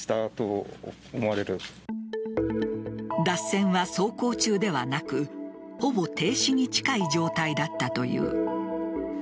脱線は走行中ではなくほぼ停止に近い状態だったという。